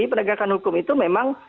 penegakan hukum itu memang